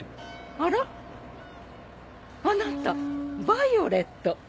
あなたヴァイオレット。